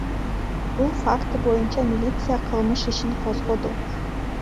Бул факты боюнча милиция кылмыш ишин козгоду.